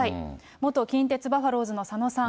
元近鉄バファローズの佐野さん。